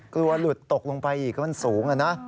กลัวหลุดตกลงไปอีกก็มันสูง